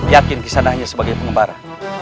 yakin kisana hanya sebagai pengembara